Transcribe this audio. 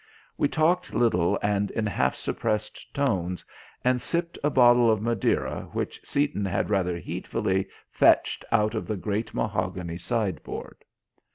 We talked little and in half suppressed tones, and sipped a bottle of Madeira which Seaton had rather heedfully fetched out of the great mahogany sideboard.